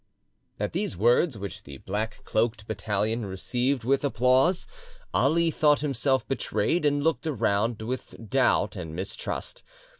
At these words; which the black cloaked battalion received with applause, Ali thought himself betrayed, and looked around with doubt and mistrust.